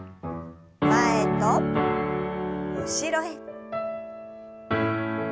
前と後ろへ。